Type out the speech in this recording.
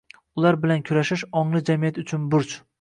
Ular bilan kurashish – ongli jamiyat uchun burch.